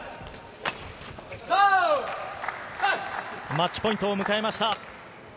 マッチポイントを迎えました。